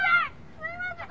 すいません！」